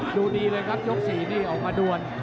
ดูดีเลยครับยกสี่นี้ออกประดวน